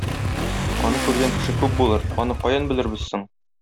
Аны күргән кеше күп булыр, аны каян белербез соң?